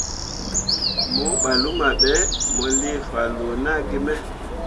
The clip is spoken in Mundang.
Mo ɓah luma ɓe, mo lii fanloo naa gi me.